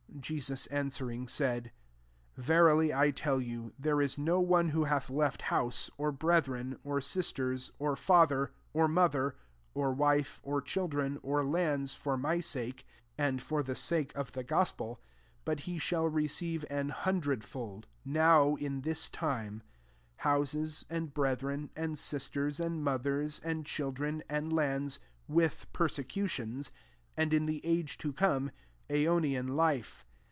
29 Jesus a& sw«ring, said, V«rily I tell you, There is no one who hath left house, or brethren, or sisters* or father, or mother, [or wife,] or children, or lands, for my sake, and for ^e sake of the gospel, 30 but he shall receive an hundred fold, now, in this time; houses, and brethren, a»d sisters, and mothers, and chil dren, and lands, with p^necti tions ; and in the age to come, aK)nian life.